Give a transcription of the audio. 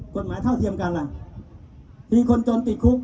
เท่าเทียมกันล่ะมีคนจนติดคุก